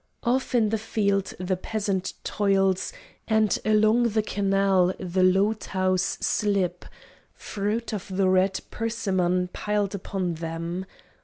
Off in the field the peasant toils And along the canal the low tows slip, Fruit of the red persimmon piled upon them.